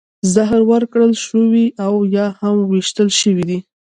زهر ورکړل شوي او یا هم ویشتل شوي دي